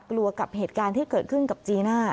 กับเหตุการณ์ที่เกิดขึ้นกับจีน่า